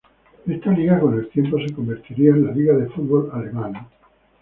Esta liga Con el tiempo se convertiría en la German Football League.